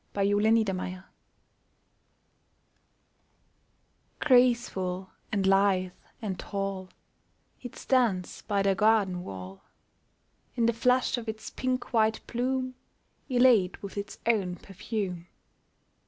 THE APPLE TREE Graceful and lithe and tall, It stands by the garden wall, In the flush of its pink white bloom Elate with its own perfume.